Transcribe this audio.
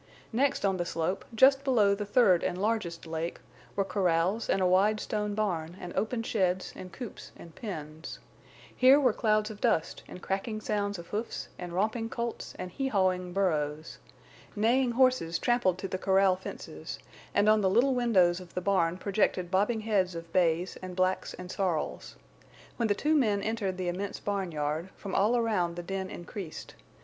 Next on the slope, just below the third and largest lake, were corrals and a wide stone barn and open sheds and coops and pens. Here were clouds of dust, and cracking sounds of hoofs, and romping colts and heehawing burros. Neighing horses trampled to the corral fences. And on the little windows of the barn projected bobbing heads of bays and blacks and sorrels. When the two men entered the immense barnyard, from all around the din increased.